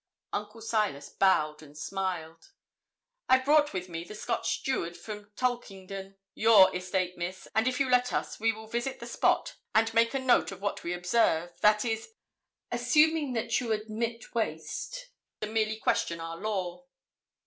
Uncle Silas bowed and smiled. 'I've brought with me the Scotch steward from Tolkingden, your estate, Miss, and if you let us we will visit the spot and make a note of what we observe, that is, assuming that you admit waste, and merely question our law.'